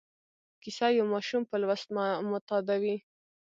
کیسه یو ماشوم په لوست معتادوي.